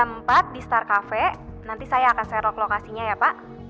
empat di star cafe nanti saya akan serok lokasinya ya pak